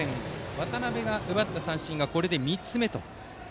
渡邉が奪った三振がこれで３つ目となります。